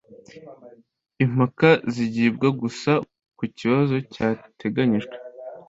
impaka zigibwa gusa ku kibazo cyateganijwe